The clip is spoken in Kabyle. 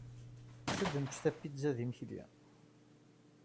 Ass-a ad nečč tapizza d imekli.